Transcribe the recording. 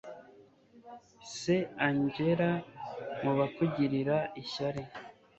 se angella mubakugirira ishyari